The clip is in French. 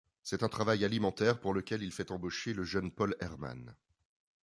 C'est un travail alimentaire, pour lequel il fait embaucher le jeune Paul Herrmann.